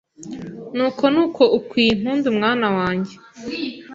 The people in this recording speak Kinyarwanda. Nuko nuko ukwiye impundu mwana wanjye,